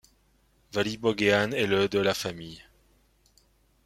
Vali Boghean est le de la famille.